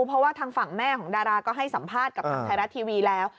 เพราะว่าทางฝั่งแม่ของดาราก็ให้สัมภาษณ์กับทางไทยรัฐทีวีแล้ว